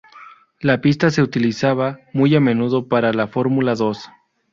La pista se utilizaba muy a menudo para la Fórmula Dos.